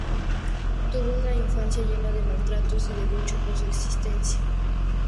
Tuvo una infancia llena de maltratos y de lucha por su existencia.